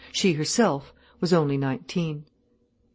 She herself was only nineteen.